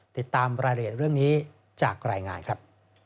ติดตามรายละเอียดเรื่องนี้จากรายงานครับ